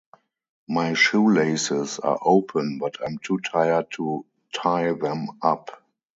My shoelaces are open but I'm too tired to tie them up.